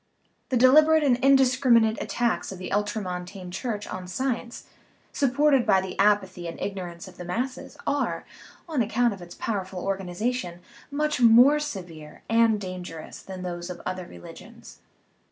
The deliberate and indiscriminate attacks of the ultramontane Church on science, supported by the apathy and ignorance of the masses, are, on account of its powerful organization, much more severe and dangerous than those of other religions.